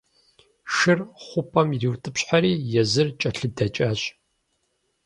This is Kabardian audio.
Шыр хъупӀэм ириутӀыпщхьэри, езыр кӀэлъыдэкӀащ.